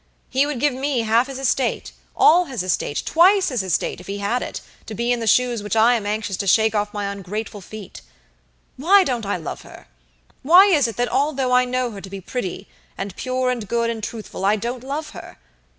He would give me half his estate, all his estate, twice his estate, if he had it, to be in the shoes which I am anxious to shake off my ungrateful feet. Why don't I love her? Why is it that although I know her to be pretty, and pure, and good, and truthful, I don't love her?